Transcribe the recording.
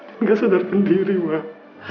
enggak sadarkan diri mbak